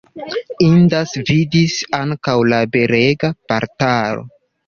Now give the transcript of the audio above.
Indas vidi ankaŭ la belega portalo.